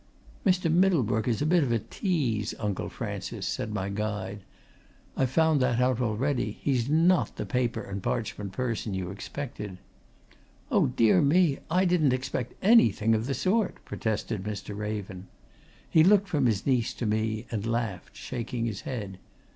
"Mr. Middlebrook is a bit of a tease, Uncle Francis," said my guide. "I've found that out already. He's not the paper and parchment person you expected." "Oh, dear me, I didn't expect anything of the sort!" protested Mr. Raven. He looked from his niece to me, and laughed, shaking his head.